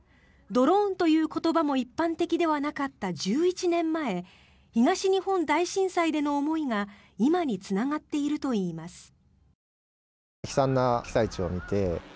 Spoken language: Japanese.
ドローンという言葉も一般的ではなかった１１年前東日本大震災での思いが今につながっているといいます。